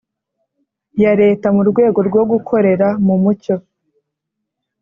ya Leta mu rwego rwo gukorera mu mucyo